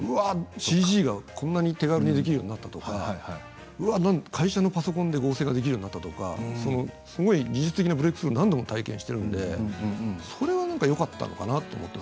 ＣＧがこんなに手軽にできるようになったとか会社のパソコンで合成ができるようになったとかすごい技術的なブレイクスルーを何度も体験しているのでそれはよかったのかなと。